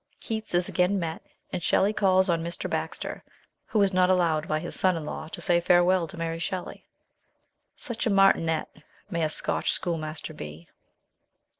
Keats is again met, and Shelley calls on Mr. Baxter, who is not allowed by his son in law to say farewell to Mary Shelley : such a martinet may a Scotch schoolmaster be.